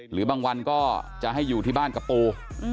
หรือบางวันก็จะให้อยู่ที่บ้านกับปู